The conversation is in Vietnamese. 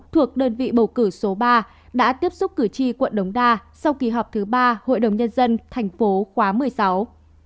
thuộc đơn vị bầu cử số ba đã tiếp xúc cử tri quận đống đa sau kỳ họp thứ ba hội đồng nhân dân tp khóa một mươi sáu